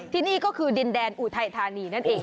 ที่นี่ก็คือดินแดนอุทัยธานีนั่นเอง